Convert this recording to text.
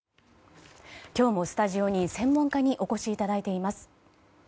今日もスタジオに専門家にお越しいただいています。